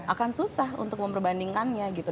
akan susah untuk memperbandingkannya gitu